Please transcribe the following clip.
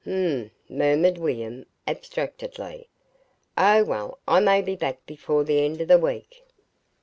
"Hm m;" murmured William, abstractedly. "Oh, well, I may be back before the end of the week."